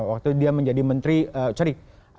waktu dia menjadi menteri